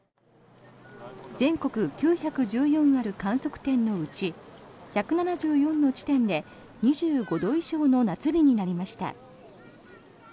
全国９１４ある観測点のうち１７４の地点で２５度以上の夏日になりました。